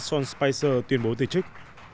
sean spicer tuyên bố từ chức